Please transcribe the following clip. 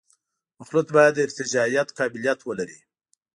مخلوط باید د ارتجاعیت قابلیت ولري